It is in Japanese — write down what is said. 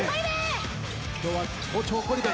今日は好調ゴリ部。